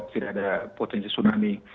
tidak ada potensi tsunami